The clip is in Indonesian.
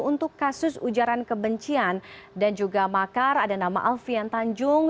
untuk kasus ujaran kebencian dan juga makar ada nama alfian tanjung